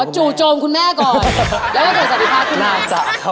อ๋อจูจมคุณแม่ก่อนแล้วก็เกิดสันติภาพขึ้นมา